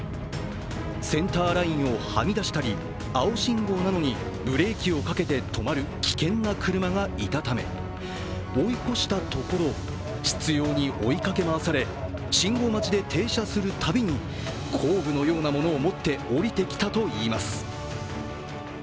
センターラインをはみ出したり青信号なのにブレーキをかけて止まる危険な車がいたため、追い越したところ執ように追いかけ回され信号待ちで停車するたびに工具のようなものを持って降りてきたといいます。